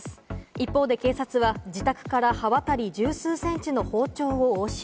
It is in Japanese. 一方で警察は自宅から刃渡り十数センチの包丁を押収。